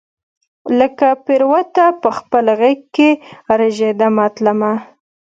لکه پیروته پخپل غیږ کې ژریدمه تلمه